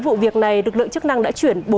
vụ việc này lực lượng chức năng đã chuyển